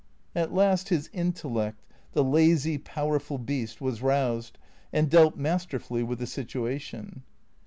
At last his intellect, the lazy, powerful beast, was roused and dealt masterfully with the situation.